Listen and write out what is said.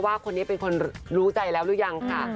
ว่าคนนี้เป็นคนรู้ใจแล้วหรือยังค่ะ